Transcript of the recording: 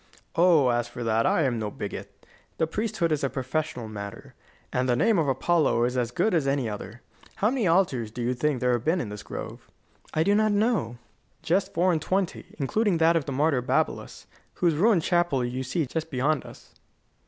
"Oh, as for that, I am no bigot. The priesthood is a professional matter, and the name of Apollo is as good as any other. How many altars do you think there have been in this grove?" "I do not know." "Just four and twenty, including that of the martyr Babylas, whose ruined chapel you see just beyond us.